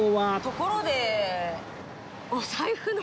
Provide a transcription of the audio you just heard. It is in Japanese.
ところで。